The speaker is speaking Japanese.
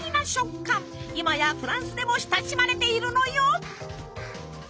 今やフランスでも親しまれているのよ！